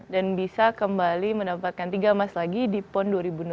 dan bisa kembali mendapatkan tiga emas lagi di pon dua ribu enam belas